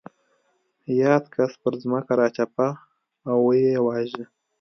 یاد کس پر ځمکه راچپه او ویې واژه.